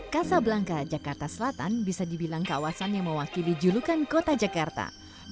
kasablangka jakarta selatan bisa dibilang kawasan yang mewakili julukan kota jakarta